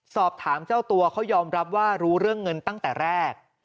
สอบถามเจ้าตัวเขายอมรับว่ารู้เรื่องเงินตั้งแต่แรก